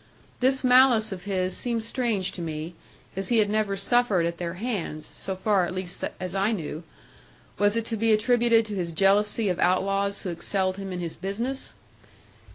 This malice of his seemed strange to me, as he had never suffered at their hands, so far at least as I knew; was it to be attributed to his jealousy of outlaws who excelled him in his business?